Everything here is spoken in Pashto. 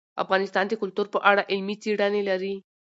افغانستان د کلتور په اړه علمي څېړنې لري.